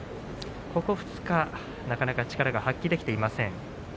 ここ２日なかなか力が発揮できていません。